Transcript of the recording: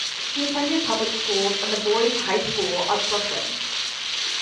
He attended public schools and the Boys High School of Brooklyn.